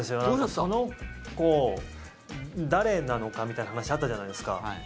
その子、誰なのかみたいな話あったじゃないですか。